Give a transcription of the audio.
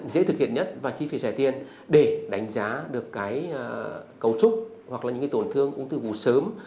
dễ thực hiện nhất và chi phí rẻ tiền để đánh giá được cái cấu trúc hoặc là những cái tổn thương ung tư vú sớm